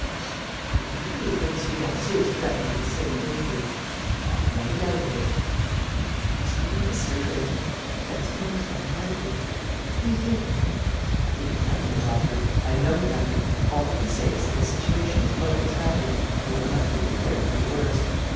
"Ah! You really believe that M. Darcieux is threatened with the same danger?" "I have not a doubt of it." "Then it must be one of the servants? But that is most unlikely! Do you think ...?" "I think nothing, doctor. I know nothing. All I can say is that the situation is most tragic and that we must be prepared for the worst.